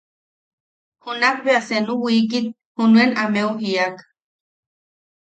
Junak bea senu wiikit junen ameu jiiak: